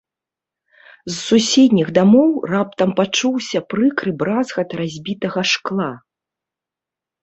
З суседніх дамоў раптам пачуўся прыкры бразгат разбітага шкла.